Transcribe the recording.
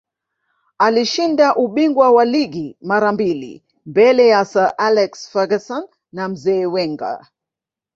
alishinda ubingwa wa ligi mara mbili mbele ya sir alex ferguson na mzee wenger